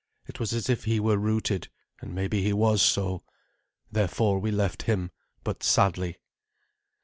It was as if he were rooted, and maybe he was so. Therefore we left him, but sadly.